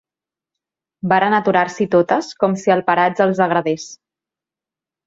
Varen aturar-s'hi totes com si el paratge els agradés.